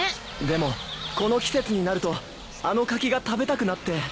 でもこの季節になるとあの柿が食べたくなって。